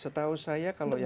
setahu saya kalau yang